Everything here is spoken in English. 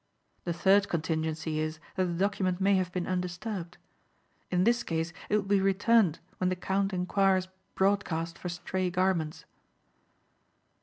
The third contingency is that the document may have been undisturbed. In this case it will be returned when the count inquires broadcast for stray garments."